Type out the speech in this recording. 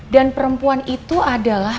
dan perempuan itu adalah